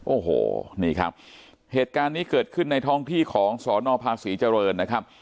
โอ้โหนี่ครับเหตุการณ์นี้เกิดขึ้นในท้องที่ของสนภาษีเจริญนะครับ